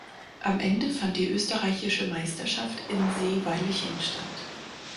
Am Ende fand die österreichische Meisterschaft in Seewalchen statt.